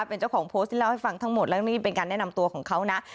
เป็นเจ้าของโพสต์ที่เล่าให้ฟังทั้งหมดแล้วนี่เป็นการแนะนำตัวของเขานะ